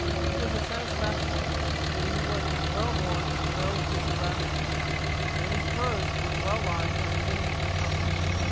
It was a satisfaction to him that he was as well born as those who surrounded him, and his purse was well lined as any in the company.